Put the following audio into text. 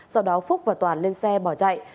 sau đó phúc và toàn lên xe bỏ chạy